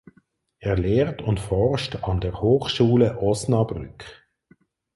Er lehrt und forscht an der Hochschule Osnabrück.